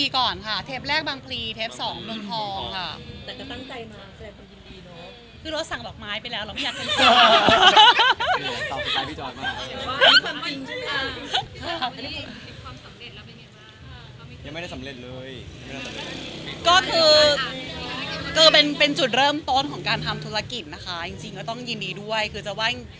ก็คือเป็นจุดเริ่มต้นของการทำธุรกิจนะคะจริงก็ต้องยินดีด้วยคือจะว่าง